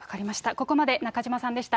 ここまで中島さんでした。